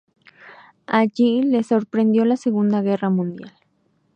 Allí le sorprendió la Segunda Guerra Mundial.